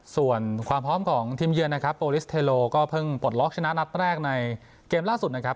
ส่วนความพร้อมของทีมเยือนนะครับโปรลิสเทโลก็เพิ่งปลดล็อกชนะนัดแรกในเกมล่าสุดนะครับ